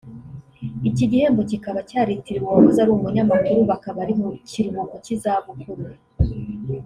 Iki gihembo cyikaba cyaritiriwe uwahoze ari umunyamakuru ubu akaba ari mu kiruhuko cy’izabukuru